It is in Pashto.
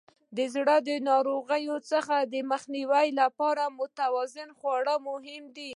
د زړه ناروغیو څخه د مخنیوي لپاره متوازن خواړه مهم دي.